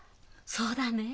そうだねえ。